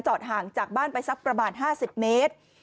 ห่างจากบ้านไปสักประมาณ๕๐เมตร